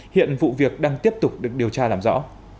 hiện vụ việc đang tiếp tục được điều tra làm rõ